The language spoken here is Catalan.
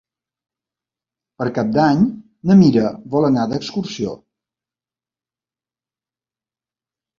Per Cap d'Any na Mira vol anar d'excursió.